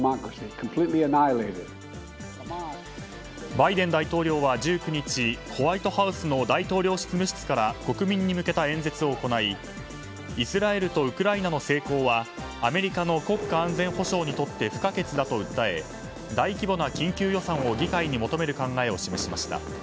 バイデン大統領は１９日ホワイトハウスの大統領執務室から国民に向けた演説を行いイスラエルとウクライナの成功はアメリカの国家安全保障にとって不可欠だと訴え大規模な緊急予算を議会に求める考えを示しました。